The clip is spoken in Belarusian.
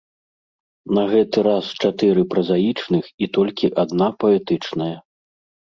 На гэты раз чатыры празаічных і толькі адна паэтычная.